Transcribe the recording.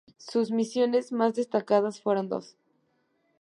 Sus misiones más destacadas fueron dos.